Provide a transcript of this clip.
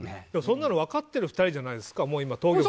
そんなの分かっている２人じゃないですか。